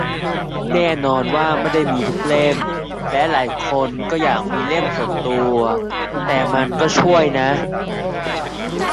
แน่นอนว่าไม่ได้มีทุกเล่ม และหลายคนก็อยากมีเล่มส่วนตัว แต่มันก็ช่วยนะ